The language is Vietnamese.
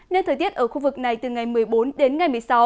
nên thời tiết ở khu vực này từ ngày một mươi bốn đến ngày một mươi sáu